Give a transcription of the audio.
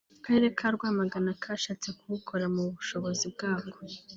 Akarere ka Rwamagana kashatse kuwukora mu bushobozi bwako